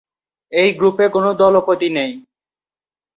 এই গ্রুপে কোনো দলপতি নেই।